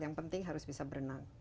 yang penting harus bisa berenang